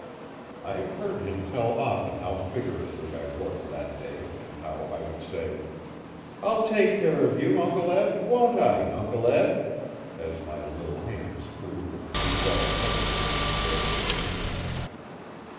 I have heard him tell often how vigorously I worked that day and how I would say: 'I'll take care o' you, Uncle Eb won't I, Uncle Eb?' as my little hands flew with redoubled energy on his bare skin.